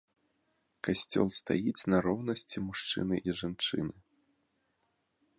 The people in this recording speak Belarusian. Касцёл стаіць на роўнасці мужчыны і жанчыны.